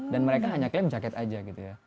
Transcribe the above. dan mereka hanya kayaknya jaket aja gitu ya